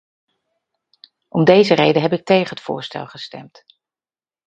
Om deze reden heb ik tegen het voorstel gestemd.